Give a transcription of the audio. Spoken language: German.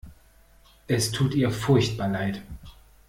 Es tut ihr furchtbar leid.